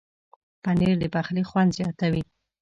پنېر د پخلي خوند زیاتوي.